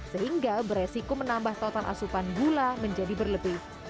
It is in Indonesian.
sehingga beresiko menambah total asupan gula menjadi berlebih